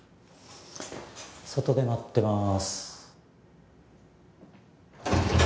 外で待ってまーす